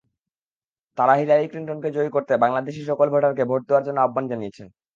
তাঁরা হিলারি ক্লিনটনকে জয়ী করতে বাংলাদেশি সকল ভোটারকে ভোট দেওয়ার জন্য আহ্বান জানিয়েছেন।